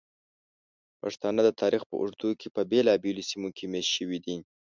پښتانه د تاریخ په اوږدو کې په بېلابېلو سیمو کې میشت شوي دي.